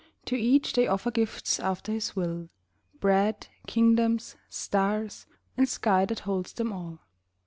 To each they offer gifts after his will, Bread, kingdoms, stars, and sky that holds them all.